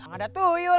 gak ada tuyul